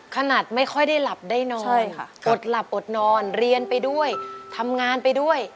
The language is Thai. ขนาดไม่ค่อยได้หลับได้นอนอดหลับอดนอนเรียนไปด้วยทำงานไปด้วย